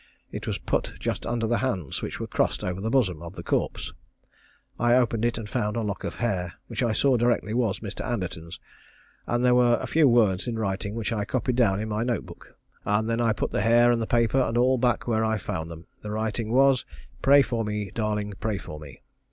It was put just under the hands, which were crossed over the bosom of the corpse. I opened it and found a lock of hair, which I saw directly was Mr. Anderton's, and there were a few words in writing which I copied down in my note book, and then I put the hair and the paper and all back where I found them. The writing was, "Pray for me, darling, pray for me."